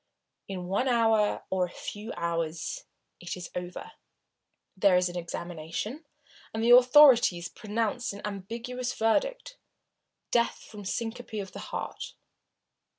In one hour, or a few hours, it is over. There is an examination, and the authorities pronounce an ambiguous verdict death from a syncope of the heart.